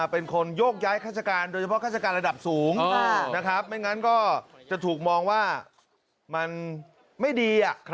เพราะฉะนั้นก็จะถูกมองว่ามันไม่ดี